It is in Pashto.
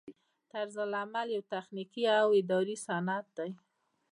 طرزالعمل یو تخنیکي او اداري سند دی.